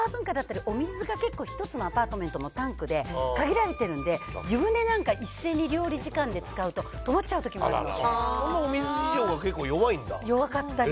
全然湯船とかつからないんですね、やっぱりシャワー文化だったり、お水が結構一つのアパートメントのタンクで、限られてるんで、湯船なんか、一斉に料理時間で使うと、止まっちゃうときもあるんで。